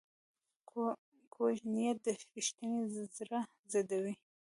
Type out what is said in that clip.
کوږ نیت د رښتیني زړه ضد وي